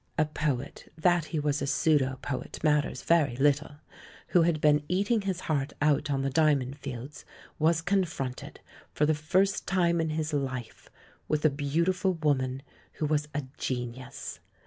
A poet — that he was a pseudo poet matters very little — who had been eating his heart out on the Diamond Fields was confronted, for the first time in his life, with a beautiful woman who was a genius.